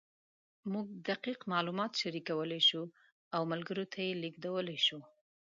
موږ دقیق معلومات شریکولی شو او ملګرو ته یې لېږدولی شو.